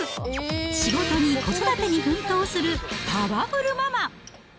仕事に子育てに奮闘するパワフルママ。